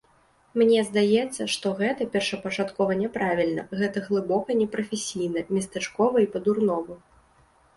Мне здаецца, што гэта першапачаткова няправільна, гэта глыбока непрафесійна, местачкова і па-дурному.